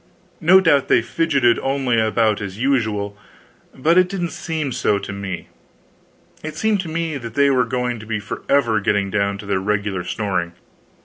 No doubt they fidgeted only about as usual, but it didn't seem so to me. It seemed to me that they were going to be forever getting down to their regular snoring.